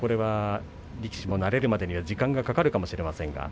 力士も慣れるまでは時間がかかるかもしれませんが。